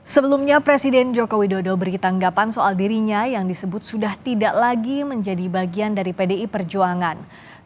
sebelumnya presiden joko widodo beri tanggapan soal dirinya yang disebut sudah tidak lagi menjadi bagian dari pdi perjuangan